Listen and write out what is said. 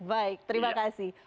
baik terima kasih